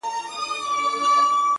• ویل زه یو ځلي ځمه تر بازاره ,